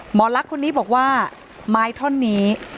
หมอลักษมณีบอกว่าไม้ท่อนนี้